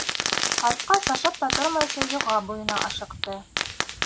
Ҡайтҡас, ашап та тормайса, йылға буйына ашыҡты.